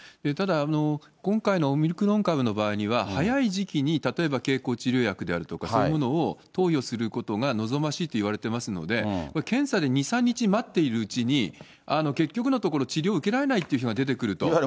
ただ、今回のオミクロン株の場合には早い時期に例えば、経口治療薬であるとか、そういうものを投与することが望ましいっていわれてますので、検査で２、３日待っているうちに、結局のところ、治療を受けられないという人が出てくると。